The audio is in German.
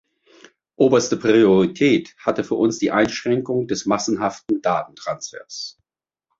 Oberste Priorität hatte für uns die Einschränkung des massenhaften Datentransfers.